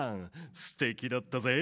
すてきだったぜ。